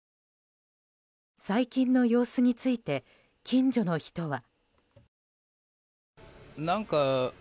最近の様子について近所の人は。